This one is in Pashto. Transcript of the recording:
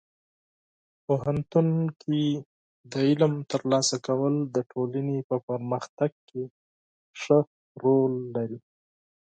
پوهنتون کې د علم ترلاسه کول د ټولنې په پرمختګ کې مهم رول لري.